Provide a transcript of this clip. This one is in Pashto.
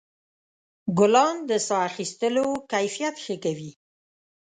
ګلان د ساه اخیستلو کیفیت ښه کوي.